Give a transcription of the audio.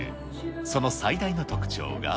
その最大の特徴が。